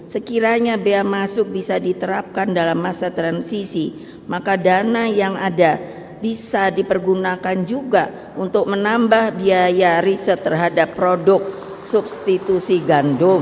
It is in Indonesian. sekiranya bea masuk bisa diterapkan dalam masa transisi maka dana yang ada bisa dipergunakan juga untuk menambah biaya riset terhadap produk substitusi gandum